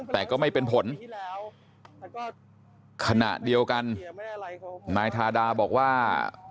แต่ก็ไม่เป็นผลขณะเดียวกันนายทาดาบอกว่า